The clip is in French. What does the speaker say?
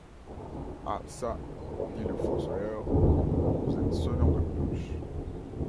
Ah çà, dit le fossoyeur, vous êtes sonneur de cloches.